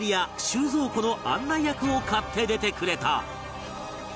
収蔵庫の案内役を買って出てくれた